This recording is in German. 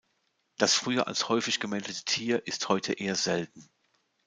Das früher als häufig gemeldete Tier ist heute eher selten.